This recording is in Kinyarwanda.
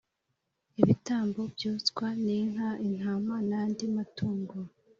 ibitambo byoswa ninka intama nandi matungo